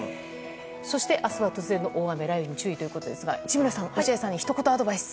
そして明日は突然の大雨、雷雨に注意ということですが、市村さん落合さんにひと言アドバイス。